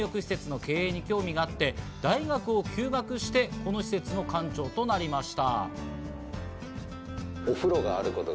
温浴施設の経営に興味があって、大学を休学して、この施設の館長となりました。